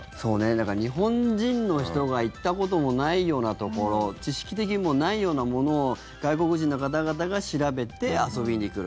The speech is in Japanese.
だから、日本人の人が行ったこともないようなところ知識的にもないようなものを外国人の方々が調べて遊びに来る。